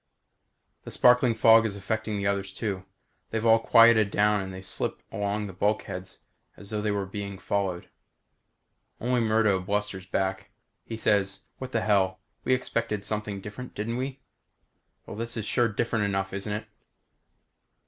The sparkling fog is affecting the others, too. They've all quieted down and they slip along the bulkheads as though they were being followed. Only Murdo blusters back. He says, what the hell? We expected something different, didn't we? Well, this is sure different enough, isn't it?